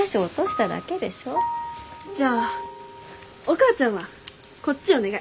じゃあお母ちゃんはこっちお願い。